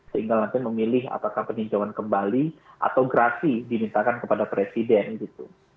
sehingga nanti memilih apakah peninjauan kembali atau grasi dimintakan kepada presiden gitu